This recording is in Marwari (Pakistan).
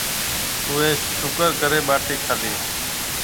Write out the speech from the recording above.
اُوئي شُڪر ڪريَ ٻاٽِي کادِي۔